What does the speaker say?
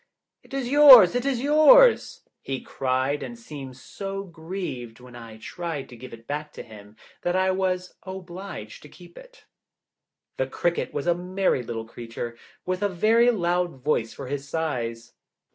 "It is yours, it is yours!" he cried, and seemed so grieved when I tried to give it back to him that I was obliged to keep it. The cricket was a merry little creature, with a very loud voice for his size.